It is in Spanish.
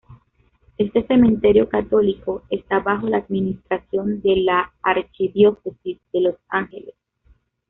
Este cementerio católico está bajo la administración de la archidiócesis de Los Ángeles.